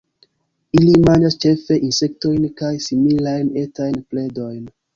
Ili manĝas ĉefe insektojn kaj similajn etajn predojn.